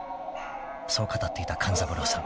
［そう語っていた勘三郎さん］